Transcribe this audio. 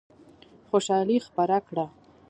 خوشالي خپره کړه.